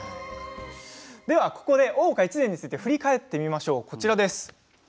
ではここで「大岡越前」について振り返ってみましょう。